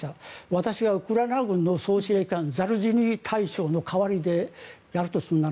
私がウクライナ軍の司令官ザルジニー大将の代わりでやるとするなら